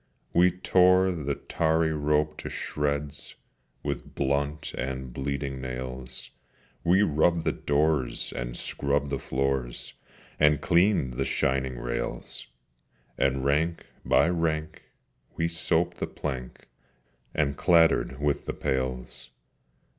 We tore the tarry rope to shreds With blunt and bleeding nails; We rubbed the doors, and scrubbed the floors, And cleaned the shining rails: And, rank by rank, we soaped the plank, And clattered with the pails.